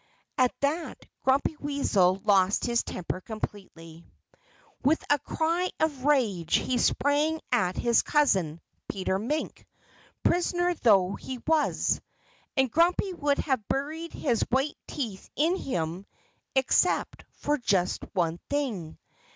At that Grumpy Weasel lost his temper completely. With a cry of rage he sprang at his cousin, Peter Mink, prisoner though he was. And Grumpy would have buried his white teeth in him except for just one thing.